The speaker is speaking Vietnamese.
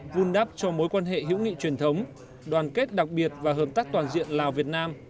vun đắp cho mối quan hệ hữu nghị truyền thống đoàn kết đặc biệt và hợp tác toàn diện lào việt nam